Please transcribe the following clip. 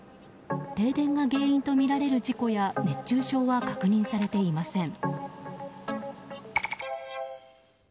停電が原因とみられる事故や熱中症は確認されていません。